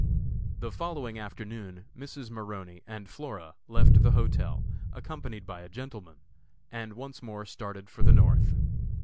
The following afternoon Mrs. Maroney and Flora left the hotel, accompanied by a gentleman, and once more started for the North.